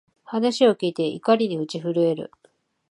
話を聞いて、怒りに打ち震える